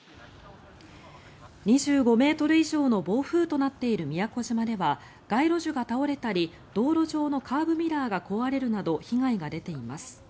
２５ｍ以上の暴風となっている宮古島では街路樹が倒れたり道路上のカーブミラーが壊れるなど被害が出ています。